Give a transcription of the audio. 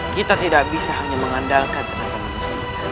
kita tidak bisa hanya mengandalkan tenaga manusia